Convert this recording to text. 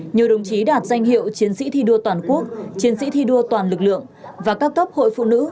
nhiều đồng chí đạt danh hiệu chiến sĩ thi đua toàn quốc chiến sĩ thi đua toàn lực lượng và các cấp hội phụ nữ